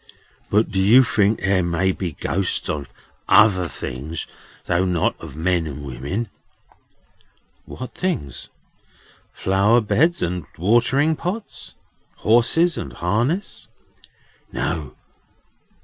"But do you think there may be Ghosts of other things, though not of men and women?" "What things? Flower beds and watering pots? horses and harness?" "No.